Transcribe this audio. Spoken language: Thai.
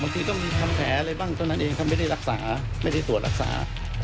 ที่ก็มันจะเองจะไม่ได้รักษาไม่ได้ตัวรักษา